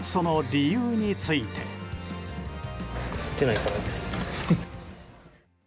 打てないからです。